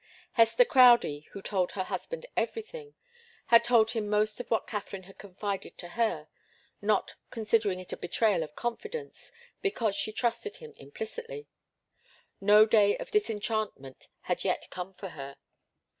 Hester Crowdie, who told her husband everything, had told him most of what Katharine had confided to her, not considering it a betrayal of confidence, because she trusted him implicitly. No day of disenchantment had yet come for her.